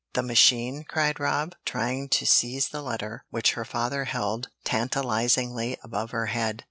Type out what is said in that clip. "The machine?" cried Rob, trying to seize the letter which her father held tantalizingly above her head.